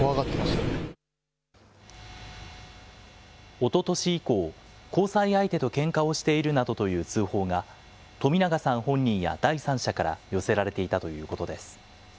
おととし以降、交際相手とけんかをしているなどという通報が、冨永さん本人や第三者から寄せられていたということです。